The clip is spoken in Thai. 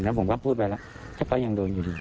แล้วผมก็พูดไปแล้วแต่ก็ยังโดนอยู่ดี